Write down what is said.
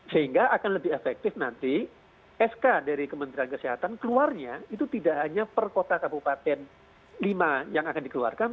sehingga akan lebih efektif nanti sk dari kementerian kesehatan keluarnya itu tidak hanya per kota kabupaten lima yang akan dikeluarkan